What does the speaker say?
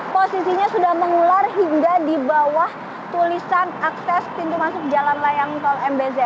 posisinya sudah mengular hingga di bawah tulisan akses pintu masuk jalan layang tol mbz